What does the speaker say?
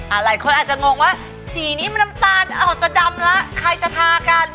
หลายคนอาจจะงงว่าสีนี้มันน้ำตาลจะดำแล้วใครจะทากัน